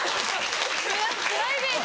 うわプライベート。